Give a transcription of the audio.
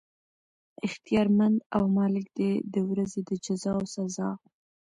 اختيار مند او مالک دی د ورځي د جزاء او سزاء